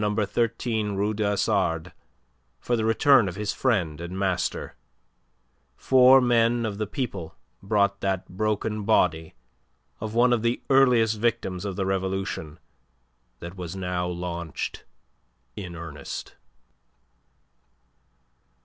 13 Rue du Hasard for the return of his friend and master, four men of the people brought that broken body of one of the earliest victims of the Revolution that was now launched in earnest.